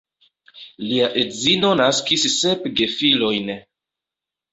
Lia edzino naskis sep gefilojn.